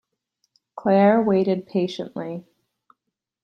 Claire waited patiently.